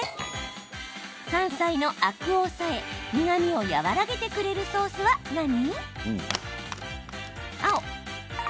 山菜のアクを抑え苦みを和らげてくれるソースは何？